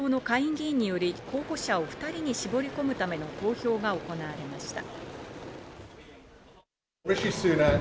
２０日、保守党の下院議員により候補者を２人に絞り込むための投票が行われました。